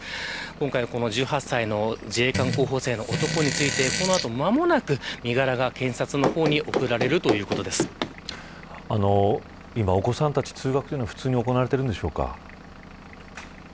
今回、１８歳の自衛官候補生の男についてこの後、間もなく身柄が検察の方に今、お子さんたち通学というのは普通に行われているんでしょうか。